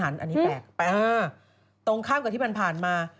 อันนี้แปลกตรงข้ามกับที่ผ่านมา